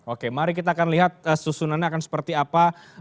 oke mari kita akan lihat susunannya akan seperti apa